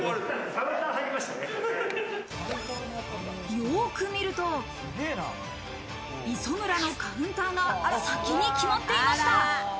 よく見ると、磯村のカウンターが先に決まっていました。